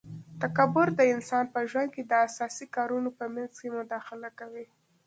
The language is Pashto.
تکبر د انسان په ژوند کي د اساسي کارونو په منځ کي مداخله کوي